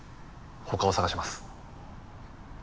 他を探します。